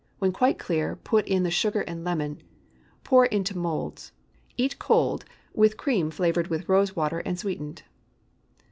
When quite clear, put in the sugar and lemon. Pour into moulds. Eat cold, with cream flavored with rose water and sweetened.